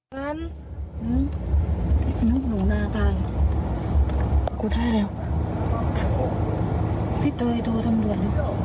นั้นนี่หนูหนาตายกูได้แล้วพี่เตยดูทำด่วน